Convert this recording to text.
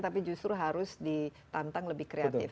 tapi justru harus ditantang lebih kreatif